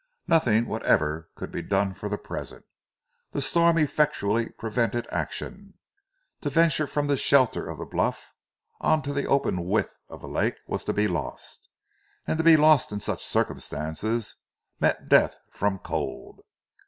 Nothing whatever could be done for the present; the storm effectually prevented action. To venture from the shelter of the bluff on to the open width of the lake was to be lost, and to be lost in such circumstances meant death from cold.